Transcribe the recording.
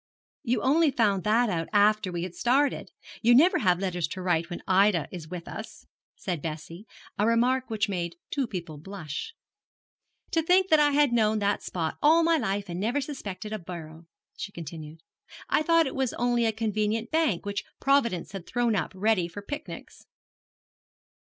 'You only found that out after we had started. You never have letters to write when Ida is with us,' said Bessie; a remark which made two people blush. 'To think that I had known that spot all my life and never suspected a barrow,' she continued. 'I thought it was only a convenient bank which Providence had thrown up ready for picnics.'